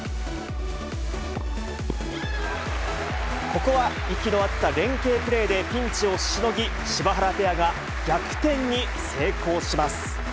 ここは息の合った連係プレーでピンチをしのぎ、柴原ペアが逆転に成功します。